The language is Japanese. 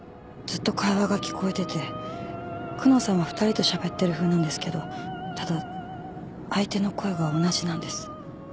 ずっと会話が聞こえてて久能さんは２人としゃべってるふうなんですけどただ相手の声が同じなんです。